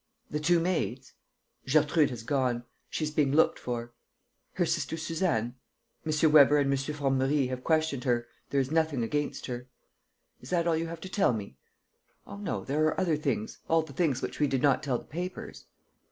"The two maids?" "Gertrude has gone. She is being looked for." "Her sister Suzanne?" "M. Weber and M. Formerie have questioned her. There is nothing against her." "Is that all you have to tell me?" "Oh, no, there are other things, all the things which we did not tell the papers."